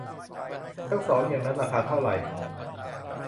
ทั้งสองอย่างนั้น ราคาเท่าไหร ?